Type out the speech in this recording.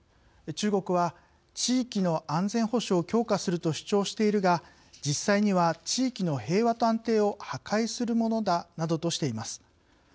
中国は地域の安全保障を強化すると主張しているが実際には、地域の平和と安定を破壊するものだなどとしています。